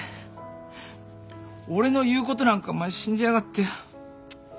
俺の言うことなんかお前信じやがって。